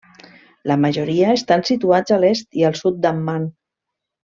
La majoria estan situats a l'est i al sud d'Amman.